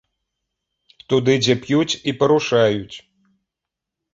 Туды, дзе п'юць і парушаюць.